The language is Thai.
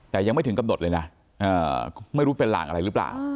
แต่ยังไม่ถึงกำหนดเลยนะไม่รู้เป็นหลางอะไรหรือเปล่า